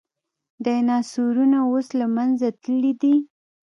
ډیناسورونه اوس له منځه تللي دي